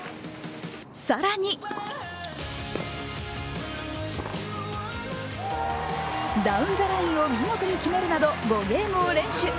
更にダウンザラインを見事に決めるなど５ゲームを連取。